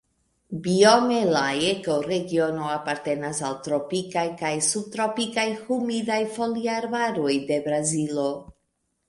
Biome la ekoregiono apartenas al tropikaj kaj subtropikaj humidaj foliarbaroj de Brazilo.